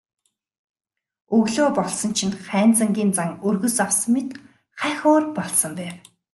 Өглөө болсон чинь Хайнзангийн зан өргөс авсан мэт хахь өөр болсон байв.